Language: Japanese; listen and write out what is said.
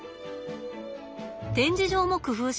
展示場も工夫しました。